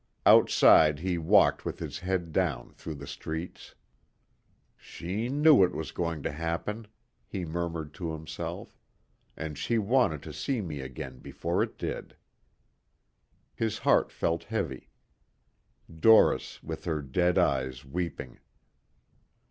Outside, he walked with his head down, through the streets. "She knew it was going to happen," he murmured to himself, "and she wanted to see me again before it did." His heart felt heavy. Doris with her dead eyes weeping.